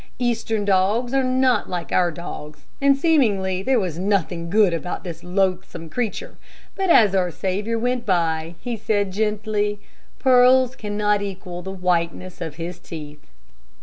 Eastern dogs are not like our dogs, and seemingly there was nothing good about this loathsome creature, but as our Saviour went by, he said, gently, 'Pearls cannot equal the whiteness of his teeth.'"